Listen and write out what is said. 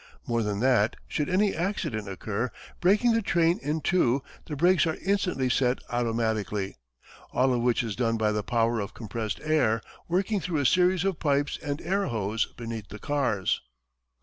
More than that, should any accident occur, breaking the train in two, the brakes are instantly set automatically. All of which is done by the power of compressed air, working through a series of pipes and air hose beneath the cars.